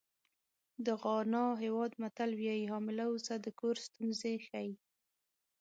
د غانا هېواد متل وایي حامله اوزه د کور ستونزې ښیي.